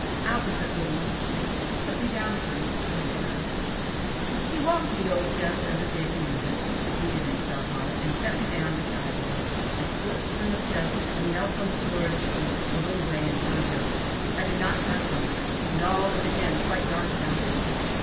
"Out with it, little one." "Put me down, please," I returned. He walked to the old chest under the gable window, seated himself on it, and set me down beside him. I slipped from the chest, and knelt on the floor at his feet, a little way in front of him. I did not touch him, and all was again quite dark about us.